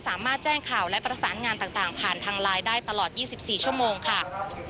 สามารถแจ้งข่าวและประสานงานต่างผ่านทางไลน์ได้ตลอด๒๔ชั่วโมงค่ะ